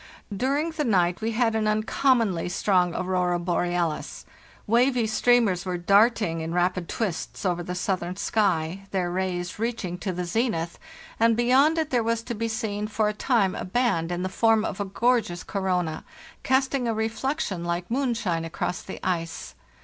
During the night we had an uncommonly strong aurora borealis ; wavy streamers were darting in rapid twists over the southern sky, their rays reaching to the zenith, and be THE NEW YEAR, 1895 45 yond it there was to be seen for a time a band in the form of a gorgeous corona, casting a reflection like moonshine across the ice.